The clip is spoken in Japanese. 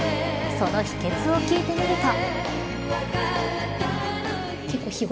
その秘訣を聞いてみると。